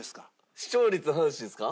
視聴率の話ですか？